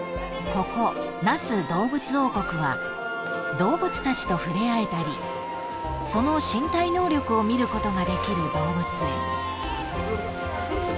［ここ那須どうぶつ王国は動物たちと触れ合えたりその身体能力を見ることができる動物園］